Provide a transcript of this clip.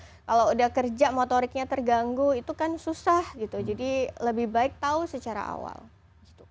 kalau udah kerja motoriknya terganggu itu kan susah gitu jadi lebih baik tahu secara awal gitu